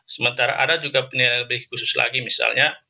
sementara ada juga penilaian lebih khusus lagi misalnya